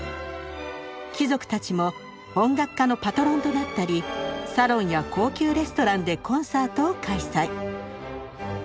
貴族たちも音楽家のパトロンとなったりサロンや高級レストランでコンサートを開催。